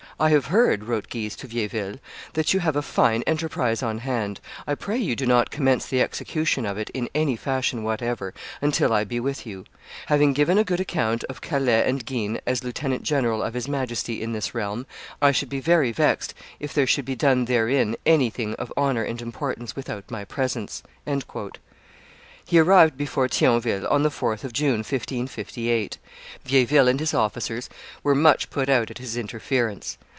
"I have heard," wrote Guise to Vieilleville, "that you have a fine enterprise on hand; I pray you do not commence the execution of it, in any fashion whatever, until I be with you: having given a good account of Calais and Guines, as lieutenant general of his Majesty in this realm, I should be very vexed if there should be done therein anything of honor and importance without my presence." He arrived before Thionville on the 4th of June, 1558. Vieilleville and his officers were much put out at his interference.